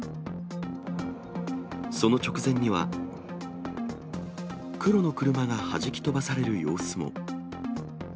その直前には、黒の車がはじき飛ばされる様子も。